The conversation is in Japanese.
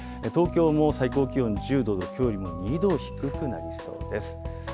東京も最高気温１０度と、きょうよりも２度低くなりそうです。